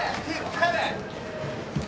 帰れ！